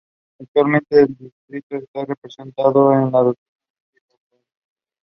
She also performed with Tom Jones.